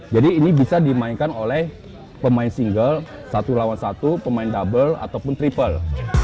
jadi ini bisa dimainkan oleh pemain single satu lawan satu pemain double ataupun triple